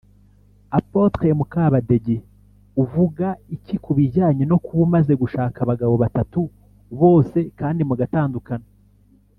Apotre Mukabadege uvuga iki ku bijyanye no kuba umaze gushaka abagabo batatu bose kandi mugatandukana